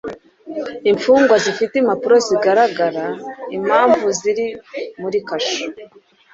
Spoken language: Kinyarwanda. imfungwa zifite impapuro zigaragaza impamvu ziri muri kasho